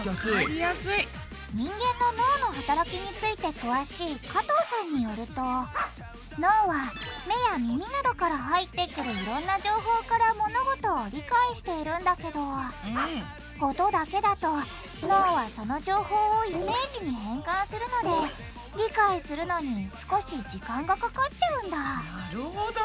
人間の脳の働きについて詳しい加藤さんによると脳は目や耳などから入ってくるいろんな情報から物事を理解しているんだけど音だけだと脳はその情報をイメージに変換するので理解するのに少し時間がかかっちゃうんだなるほど！